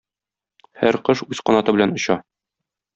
Һәр кош үз канаты белән оча.